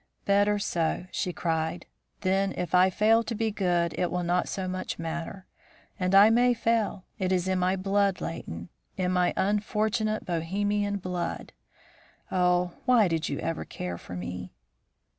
"'Better so,' she cried; 'then if I fail to be good it will not so much matter. And I may fail; it is in my blood, Leighton; in my unfortunate Bohemian blood. Oh, why did you ever care for me?'